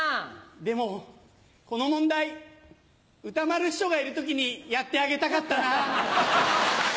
でもこの問題歌丸師匠がいる時にやってあげたかったな。